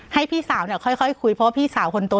ให้พี่สาวเนี่ยค่อยคุยเพราะว่าพี่สาวคนโต